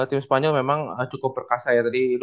tim spanyol memang cukup perkasa ya tadi